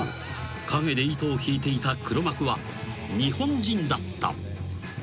影で糸を引いていた黒幕は日本人だった］